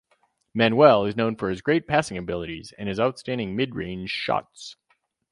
Manuel is known for his great passing abilities and his outstanding mid-range shots.